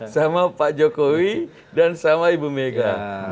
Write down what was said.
sama pak jokowi dan sama ibu mega